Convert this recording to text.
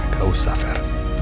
gak usah vero